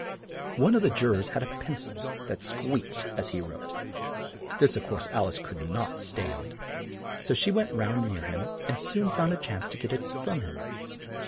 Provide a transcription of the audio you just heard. One of the ju rors had a pen cil that squeaked as he wrote. This, of course, Al ice could not stand, so she went round near him, and soon found a chance to get it from him.